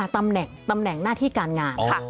ตำแหน่งหน้าที่การงานค่ะ